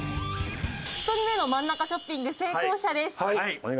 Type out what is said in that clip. １人目の真ん中ショッピング成功者です。